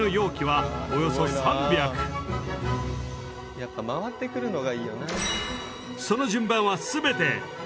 やっぱ回ってくるのがいいよな。